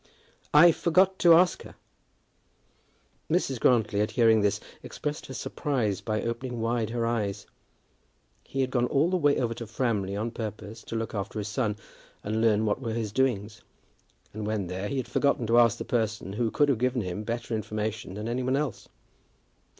"I forgot to ask her." Mrs. Grantly, at hearing this, expressed her surprise by opening wide her eyes. He had gone all the way over to Framley on purpose to look after his son, and learn what were his doings, and when there he had forgotten to ask the person who could have given him better information than any one else!